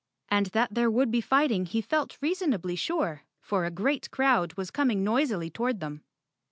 And that there would be fighting he felt reasonably sure, for a great crowd was coming noisily toward them.